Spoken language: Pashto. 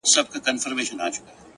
ستا هم د پزي په افسر كي جـادو ـ